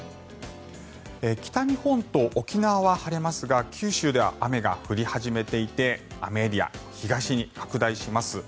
北日本と沖縄は晴れますが九州では雨が降り始めていて雨エリア、東に拡大します。